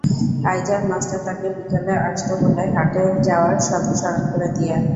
আইজার master তাকে বিকেলে আসতে বলে হাটে যাওয়ার কথা স্মরণ করে দিয়ে।